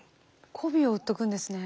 こびを売っとくんですね。